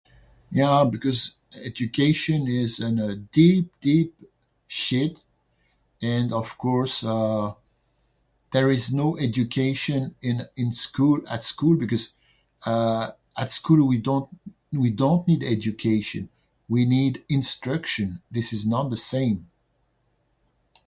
Yeah, because education is in, uh, deep, deep shit. And, of course, uh, there is no education in in school at school because, uh, at school we don't we don't need education. We need instruction. This is not the same.